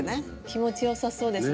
気持ちよさそうですね。